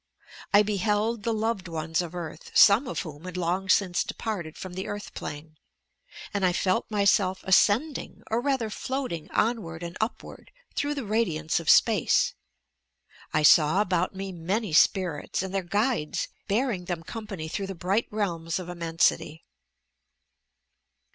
I beheld the loved o of earth, some of whom had long since departed from the earth plane ... and I felt myself ascending or rather floating onward and upward through the ra diance of space. I saw about me many spirits and their guides bearing them company through the bright realms of immensity."